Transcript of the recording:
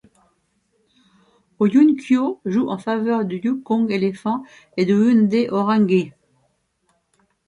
Oh Yun-kyo joue en faveur du Yukong Elephants et du Hyundai Horang-i.